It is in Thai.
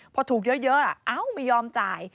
พอถูกเยอะไม่ยอมจ่าย